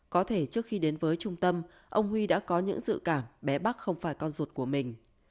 có thể trước khi đến với trung tâm ông huy đã có những dự cảm bé bắc không phải con ruột của mình